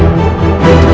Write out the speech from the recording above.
aku mau pergi